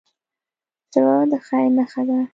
زړه د خیر نښه ده.